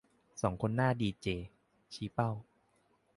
สองคนหน้าดีเจ ชี้เป้า